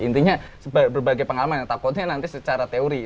intinya berbagai pengalaman takutnya nanti secara teori